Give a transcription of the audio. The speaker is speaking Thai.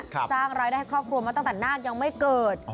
สร้างรายได้ให้ครอบครัวมาตั้งแต่นาคยังไม่เกิด